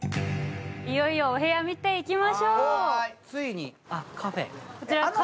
いよいよお部屋、見ていきましょう。